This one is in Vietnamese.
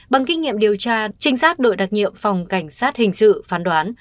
bằng kinh nghiệm điều tra trinh sát đội đặc nhiệm phòng cảnh sát hình sự phán đoán